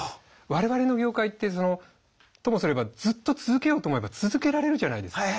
我々の業界ってともすればずっと続けようと思えば続けられるじゃないですか。